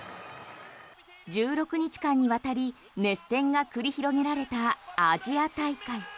１６日間にわたり熱戦が繰り広げられたアジア大会。